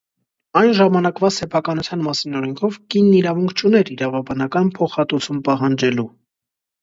Այն ժամանակվա սեփականության մասին օրենքով կինն իրավունք չուներ իրավաբանական փոխհատուցում պահանջելու։